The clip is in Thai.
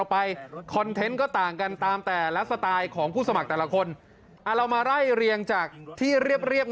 คอนเทนต์ก็ต่างกันตามแต่ละสไตล์ของผู้สมัครแต่ละคนเรามาไล่เรียงจากที่เรียบ